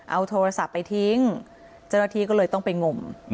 เอาโทรศัพท์ไปทิ้งเจ้าหน้าที่ก็เลยต้องไปงม